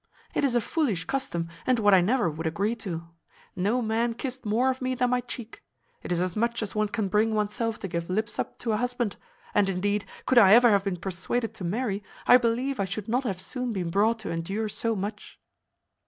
It is a foolish custom, and what I never would agree to. No man kissed more of me than my cheek. It is as much as one can bring oneself to give lips up to a husband; and, indeed, could I ever have been persuaded to marry, I believe I should not have soon been brought to endure so much."